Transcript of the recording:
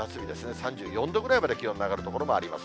３４度ぐらいまで気温の上がる所もあります。